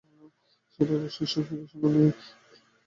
সেটা অবশ্যই তাঁর শিষ্যদের সঙ্গে নিয়েই।